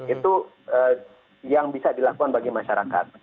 itu yang bisa dilakukan bagi masyarakat